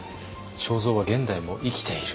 正造は現代も生きている。